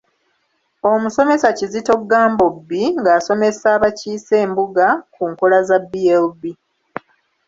Omusomesa Kizito Gambobbi ng’asomesa abakiise embuga ku nkola za BLB.